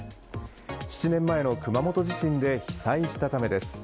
７年前の熊本地震で被災したためです。